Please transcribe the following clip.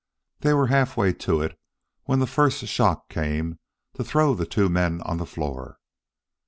They were halfway to it when the first shock came to throw the two men on the floor.